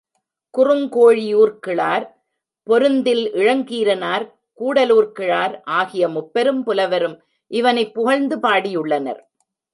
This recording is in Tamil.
குறுங்கோழியூர் கிழார், பொருந்தில் இளங்கீரனார், கூடலூர் கிழார் ஆகிய முப்பெரும் புலவரும் இவனைப் புகழ்ந்து பாடியுள்ளனர்.